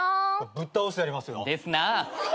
ぶっ倒してやりますよ。ですなぁ。